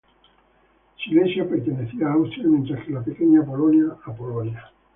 Silesia pertenecía a Austria mientras que la Pequeña Polonia a Polonia.